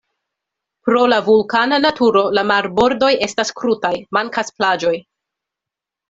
Pro la vulkana naturo la marbordoj estas krutaj, mankas plaĝoj.